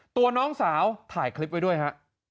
ตัวน้องสาวถ่ายคลิปไว้ด้วยฮะ